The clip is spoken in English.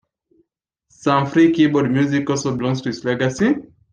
Some free keyboard music also belongs to his legacy.